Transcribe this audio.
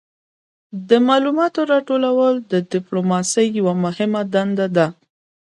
د معلوماتو راټولول د ډیپلوماسي یوه مهمه دنده ده